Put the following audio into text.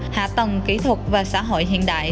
hạ tầng kỹ thuật và xã hội hiện đại